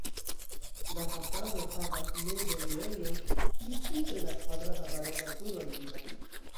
La fasado havas meze enirejon, pli supre la kvadrata baroka turo altiĝas.